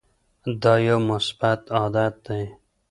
دا یو مثبت عادت دی.